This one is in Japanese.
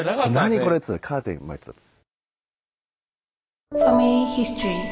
何これ？って言ったらカーテン巻いてたって。